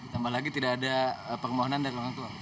tambah lagi tidak ada permohonan dari orang tua